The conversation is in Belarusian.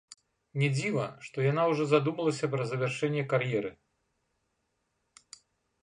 Не дзіва, што яна ўжо задумалася пра завяршэнне кар'еры.